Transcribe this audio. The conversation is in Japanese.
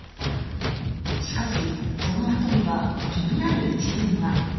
しかし、そのあとには気になる一文が。